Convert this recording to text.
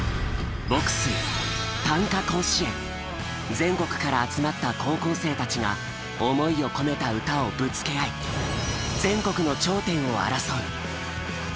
全国から集まった高校生たちが思いを込めた歌をぶつけ合い全国の頂点を争う。